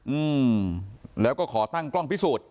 อืมแล้วก็ขอตั้งกล้องพิสูจน์